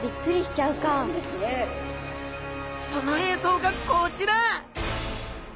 その映像がこちら。